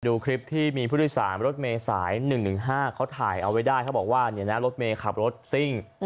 ดูคลิปที่มีผู้โดยสารรถเมย์สาย๑๑๕เขาถ่ายเอาไว้ได้เขาบอกว่ารถเมย์ขับรถซิ่ง